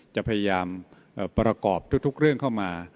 จะพยายามประกอบทุกเรื่องเข้ามา